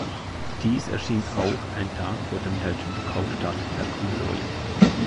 Diese erschien auch ein Tag vor dem deutschen Verkaufsstart der Konsole.